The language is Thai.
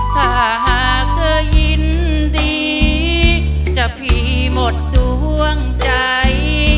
ถ้าหากเธอยินดีจะพี่หมดดวงใจ